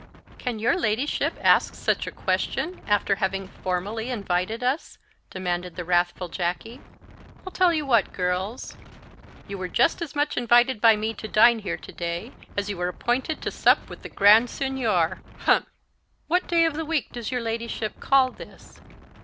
"Can your Ladyship ask such a question, after having formally invited us?" demanded the wrathful Jacky. "I'll tell you what, girls; you were just as much invited by me to dine here to day as you were appointed to sup with the Grand Seignior humph!" "What day of the week does your Ladyship call this?"